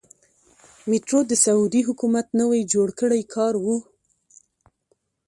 میټرو د سعودي حکومت نوی جوړ کړی کار و.